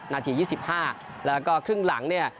นาที๒๕แล้วก็ครึ่งหลังเนี่ย